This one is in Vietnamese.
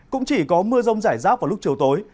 cũng chỉ có mưa rông rải rác vào lúc chiều tối